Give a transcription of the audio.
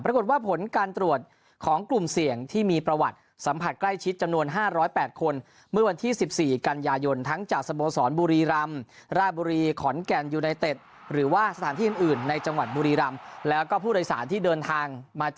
รับรวมผลว่าผลการตรวจของกลุ่มเสี่ยงที่มีประวัติสัมผัสใกล้ชิดจำนวนห้าร้อยแปดคน